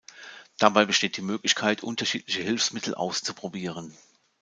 Dabei besteht die Möglichkeit, unterschiedliche Hilfsmittel auszuprobieren.